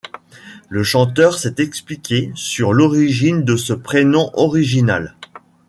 Le chanteur s'est expliqué sur l'origine de ce prénom original.